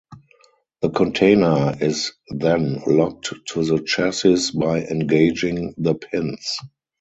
The container is then locked to the chassis by engaging the pins.